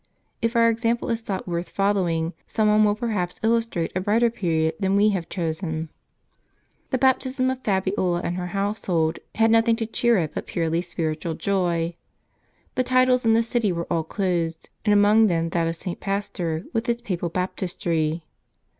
If our example is thought worth following, some one will perhaps illustrate a brighter period than we have chosen. The baptism of Fabiola and her household had nothing to cheer it but purely spiritual joy. The titles in the city were all closed, and among them that of St. Pastor with its papal baptistery.